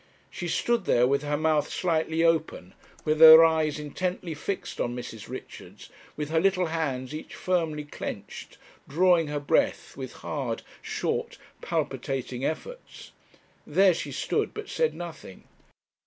She stood there, with her mouth slightly open, with her eyes intently fixed on Mrs. Richards, with her little hands each firmly clenched, drawing her breath with hard, short, palpitating efforts. There she stood, but said nothing.